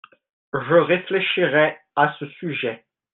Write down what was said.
Je réfléchirai à ce sujet.